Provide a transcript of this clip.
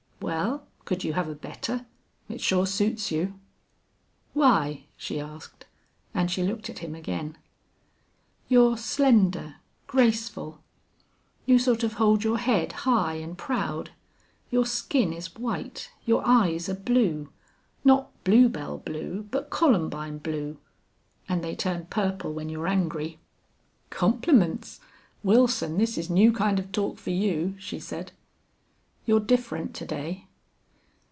"Well, could you have a better? It sure suits you." "Why?" she asked, and she looked at him again. "You're slender graceful. You sort of hold your head high and proud. Your skin is white. Your eyes are blue. Not bluebell blue, but columbine blue and they turn purple when you're angry." "Compliments! Wilson, this is new kind of talk for you," she said. "You're different to day."